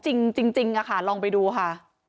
จริงมากสมจริงค่ะลองไปดูค่ะ